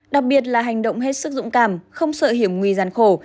đặc biệt là hành động hết sức dũng cảm không sợ hiểm nguy gian khổ